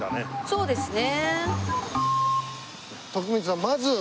そうですね。